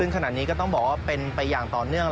ซึ่งขณะนี้ก็ต้องบอกว่าเป็นไปอย่างต่อเนื่อง